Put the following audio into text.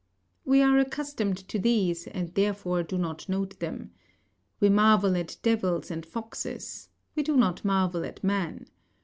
We are accustomed to these, and therefore do not note them. We marvel at devils and foxes: we do not marvel at man.